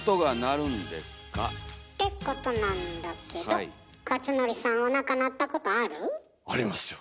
ってことなんだけど克典さんおなか鳴ったことある？ありますよ。